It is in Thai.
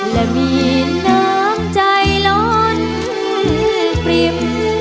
และมีน้ำใจล้นปริ่ม